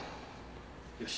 よし。